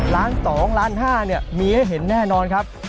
ล้านสองล้านห้ามีให้เห็นแน่นอนครับ